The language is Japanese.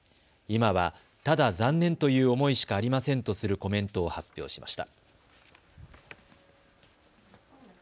今はただ残念という思いしかありませんとするコメントを発表しました。